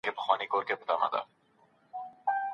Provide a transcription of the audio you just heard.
موږ په تاريخ کي لويې کارنامې لرو.